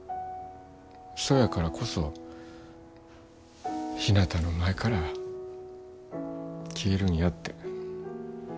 そやからこそひなたの前から消えるんやって。